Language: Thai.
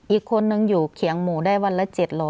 อีกคนนึงอยู่เขียงหมูได้วันละ๗๐๐